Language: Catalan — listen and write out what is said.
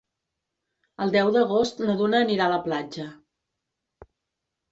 El deu d'agost na Duna anirà a la platja.